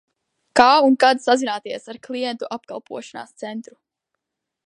Kā un kad sazināties ar klientu apkalpošanas centru?